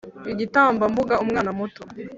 igitambambuga umwana muto